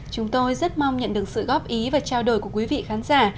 chúng tôi rất mong nhận được sự góp ý và trao đổi của quý vị khán giả